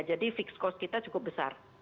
jadi fixed cost kita cukup besar